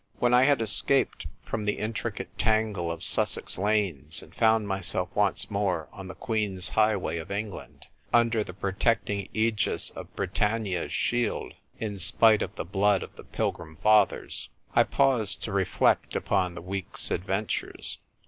When I had escaped from the intricate tangle of Sussex lanes, and found myself once more on the Queen's highway of England, under the protecting aegis of Britannia's shield (in spite of the blood of the Pilgrim Fathers), I paused to reflect upon the week's adventures.